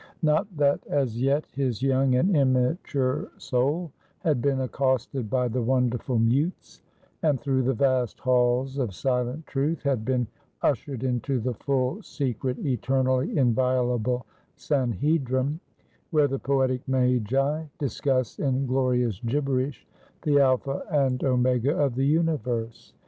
Not that as yet his young and immature soul had been accosted by the Wonderful Mutes, and through the vast halls of Silent Truth, had been ushered into the full, secret, eternally inviolable Sanhedrim, where the Poetic Magi discuss, in glorious gibberish, the Alpha and Omega of the Universe.